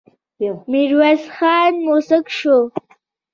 ميرويس خان موسک شو.